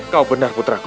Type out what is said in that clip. kau benar putraku